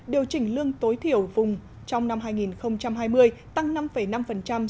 điều chỉnh lương tối thiểu vùng trong năm hai nghìn hai mươi tăng năm năm so với năm hai nghìn một mươi chín